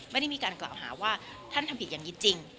ไม่ได้มีการกล่าวหาว่าท่านทำผิดอย่างนี้จริง